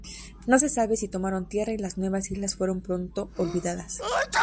No se sabe si tomaron tierra y las nuevas islas fueron pronto olvidadas.